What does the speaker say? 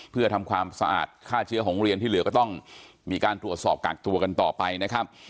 เพื่อทำความสะอาดฆ่าเชื้อของโรงเรียนที่เหลือก็ต้องมีการตรวจสอบกากตัวกันต่อไปนะครับ